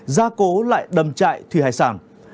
ra cố lại đầm chạy thủy hải sản